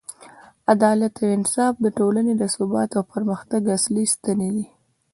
عدالت او انصاف د ټولنې د ثبات او پرمختګ اصلي ستنې دي.